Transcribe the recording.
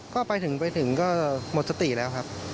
ก็ไปถึงไปถึงก็หมดสติแล้วครับ